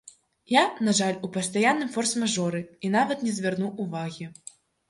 Я, на жаль, у пастаянным форс-мажоры, і нават не звярнуў увагі.